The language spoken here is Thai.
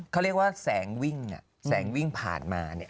เขาเรียกว่าแสงวิ่งแสงวิ่งผ่านมาเนี่ย